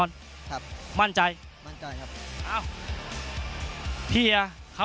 นักมวยจอมคำหวังเว่เลยนะครับ